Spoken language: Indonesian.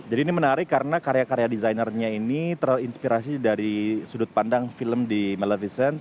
jadi ini menarik karena karya karya desainernya ini terinspirasi dari sudut pandang film di maleficent